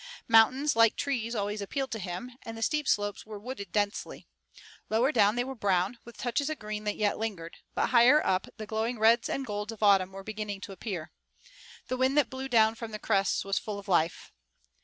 Mountains like trees always appealed to him, and the steep slopes were wooded densely. Lower down they were brown, with touches of green that yet lingered, but higher up the glowing reds and golds of autumn were beginning to appear. The wind that blew down from the crests was full of life.